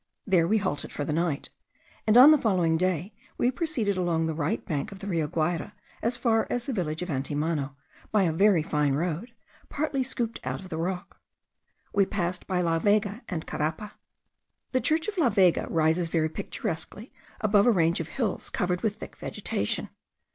There we halted for the night, and on the following day we proceeded along the right bank of the Rio Guayra as far as the village of Antimano, by a very fine road, partly scooped out of the rock. We passed by La Vega and Carapa. The church of La Vega rises very picturesquely above a range of hills covered with thick vegetation.